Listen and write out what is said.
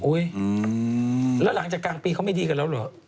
แล้วหลังจากกลางปีเขาไม่ดีกันแล้วเหรอ